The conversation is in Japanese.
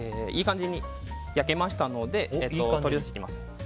いい感じに焼けましたので取り出していきます。